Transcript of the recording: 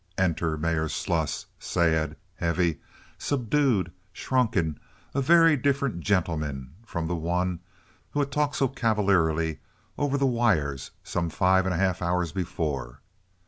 Enter Mayor Sluss, sad, heavy, subdued, shrunken, a very different gentleman from the one who had talked so cavalierly over the wires some five and a half hours before.